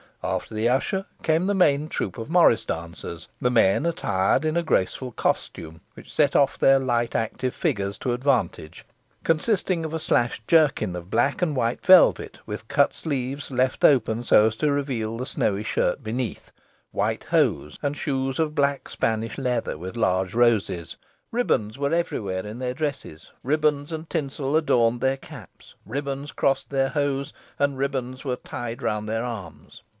After the usher came the main troop of morris dancers the men attired in a graceful costume, which set off their light active figures to advantage, consisting of a slashed jerkin of black and white velvet, with cut sleeves left open so as to reveal the snowy shirt beneath, white hose, and shoes of black Spanish leather with large roses. Ribands were every where in their dresses ribands and tinsel adorned their caps, ribands crossed their hose, and ribands were tied round their arms.